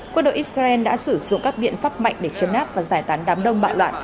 quân đội israel đã sử dụng các biện pháp mạnh để chấn áp và giải tán đám đông bạo loạn